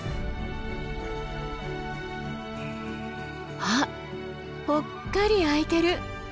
あっぽっかり空いてる。